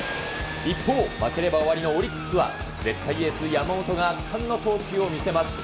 一方、負ければ終わりのオリックスは、絶対エース、山本が圧巻の投球を見せます。